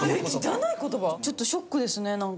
ちょっとショックですねなんか。